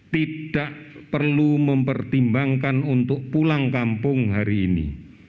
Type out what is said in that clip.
tidak perlu mempertimbangkan untuk pulang kampung hari ini